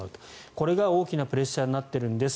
これが大きなプレッシャーになっているんです。